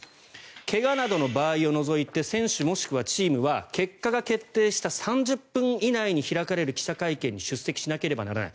怪我などの場合を除いて選手もしくはチームは結果が決定した３０分以内に開かれる記者会見に出席しなければならない。